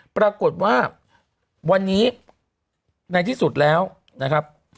ปรากฏว่าวันนี้ในที่สุดแล้วนะครับ